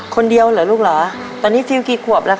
คนเดียวเหรอลูกเหรอตอนนี้ฟิลกี่ขวบแล้วค่ะ